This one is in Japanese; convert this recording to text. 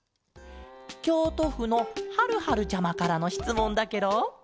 きょうとふのはるはるちゃまからのしつもんだケロ！